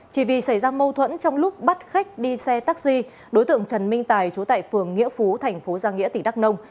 chỉ vì xảy ra mâu thuẫn trong lúc bắt khách đi xe taxi đối tượng trần minh tài chú tại phường nghĩa phú thành phố giang nghĩa tỉnh đắk nông